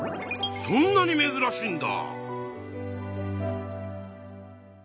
そんなにめずらしいんだ。